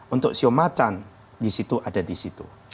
untuk show macan di situ ada di situ